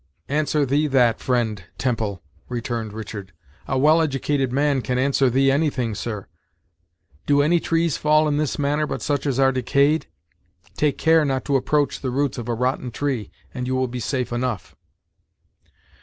"Answer thee that, friend Temple!" returned Richard; "a well educated man can answer thee anything, sir. Do any trees fall in this manner but such as are decayed? Take care not to approach the roots of a rotten tree, and you will be safe enough."